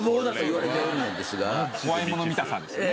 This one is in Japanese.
怖いもの見たさですね。